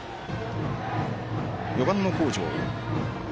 ４番の北條。